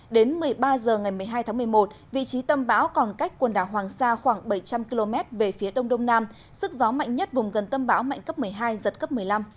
đến một mươi ba h ngày một mươi hai tháng một mươi một vị trí tâm bão còn cách quần đảo hoàng sa khoảng bảy trăm linh km về phía đông đông nam sức gió mạnh nhất vùng gần tâm bão mạnh cấp một mươi hai giật cấp một mươi năm